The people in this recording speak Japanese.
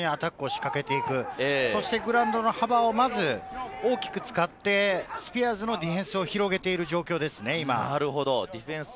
基本的に同じ、同じ方向にアタックを仕掛けていく、そしてグラウンドの幅を大きく使って、スピアーズのディフェンスを広げている状況です。